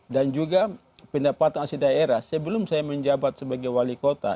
dan juga pendapatan asli daerah sebelum saya menjabat sebagai wali kota